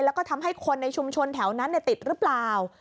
แล้วก็ทำให้คนในชุมชนแถวนั้นติดหรือเปล่า